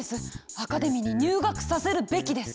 アカデミーに入学させるべきです！